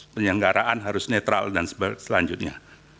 penyelenggaraan harus netral dan selanjutnya